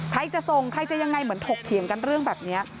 ใครจะส่งใครจะยังไงเหมือนถกเถียงกันเรื่องแบบนี้